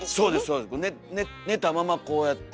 そうです寝たままこうやって。